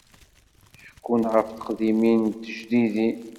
Ḥekkun ɣef teqdimin d tejdidin.